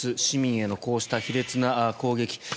市民へのこうした卑劣な攻撃